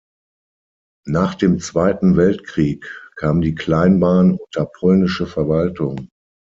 Nach dem Zweiten Weltkrieg kam die Kleinbahn unter polnische Verwaltung.